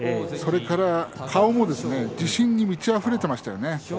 それから顔も自信に満ちあふれていましたよね。